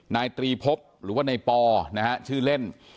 นายตรีพบหรือว่าในปอนะฮะชื่อเล่น